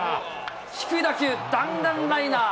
低い打球、弾丸ライナー。